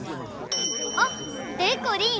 あっでこりん。